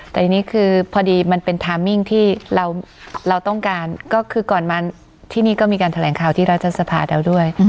แต่ทีนี้คือพอดีมันเป็นไทมมิ่งที่เราต้องการก็คือก่อนมาที่นี่ก็มีการแถลงข่าวที่รัฐสภาแล้วด้วย